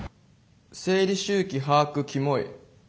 「生理周期把握キモい」。